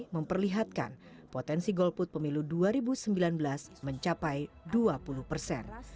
memperlihatkan potensi golput pemilu dua ribu sembilan belas mencapai dua puluh persen